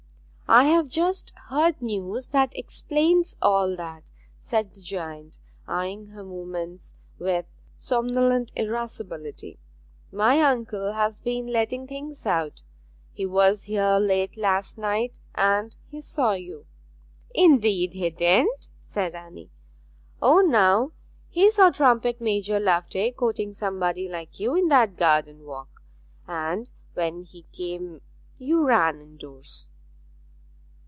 'I have just heard news that explains all that,' said the giant, eyeing her movements with somnolent irascibility. 'My uncle has been letting things out. He was here late last night, and he saw you.' 'Indeed he didn't,' said Anne. 'O, now! He saw Trumpet major Loveday courting somebody like you in that garden walk; and when he came you ran indoors.'